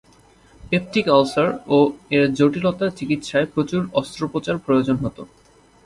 Peptic ulcer ও এর জটিলতা চিকিৎসায় প্রচুর আস্ত্রোপচার প্রয়োজন হত।